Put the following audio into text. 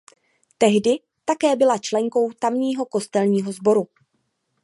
Tehdy také byla členkou tamního kostelního sboru.